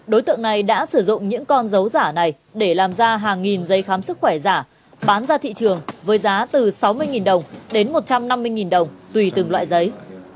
đối tượng này đã sử dụng những con dấu giả này để làm ra hàng nghìn giấy khám sức khỏe giả bán ra thị trường với giá từ sáu mươi đồng đến một trăm năm mươi đồng tùy từng loại giấy